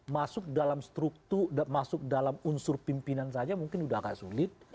masuk dalam struktur masuk dalam unsur pimpinan saja mungkin sudah agak sulit